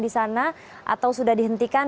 di sana atau sudah dihentikan